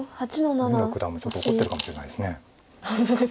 三村九段もちょっと怒ってるかもしれないです。